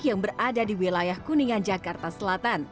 yang berada di wilayah kuningan jakarta selatan